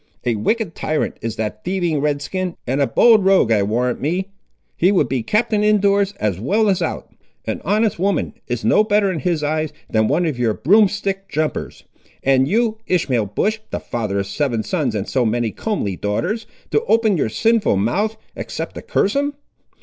A wicked tyrant is that thieving Red skin, and a bold rogue I warrant me. He would be captain in doors, as well as out! An honest woman is no better in his eyes than one of your broomstick jumpers. And you, Ishmael Bush, the father of seven sons and so many comely daughters, to open your sinful mouth, except to curse him!